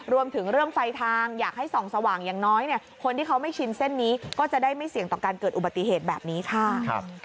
รวมถึงเรื่องไฟทางอยากให้ส่องสว่างอย่างน้อยคนที่เขาไม่ชินเส้นนี้ก็จะได้ไม่เสี่ยงต่อการเกิดอุบัติเหตุแบบนี้ค่ะ